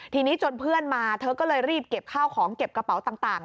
ทีนี้จนเพื่อนมาเธอก็เลยรีบเก็บข้าวของเก็บกระเป๋าต่าง